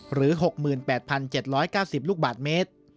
หรือ๖๘๗๙๐ลูกบาทเมตร